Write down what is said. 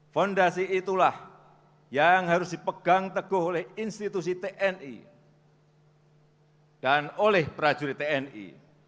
fondasi itulah yang harus dipegang teguh oleh institusi tni dan oleh prajurit tni